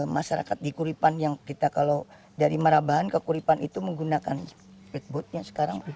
masyarakat di kuripan yang kita kalau dari marabahan ke kuripan itu menggunakan street boatnya sekarang